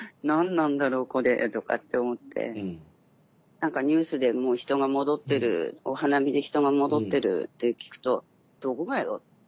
何かニュースでもう人が戻ってるお花見で人が戻ってるって聞くとどこがよって。